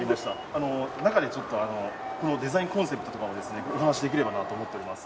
あの中でちょっとこのデザインコンセプトとかをですねお話しできればなと思っております。